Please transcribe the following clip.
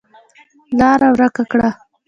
لاره ورکه کړه.